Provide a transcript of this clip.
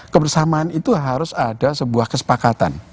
kebersamaan itu harus ada sebuah kesepakatan